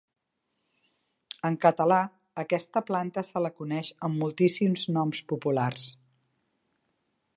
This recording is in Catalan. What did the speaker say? En català aquesta planta se la coneix amb moltíssims noms populars.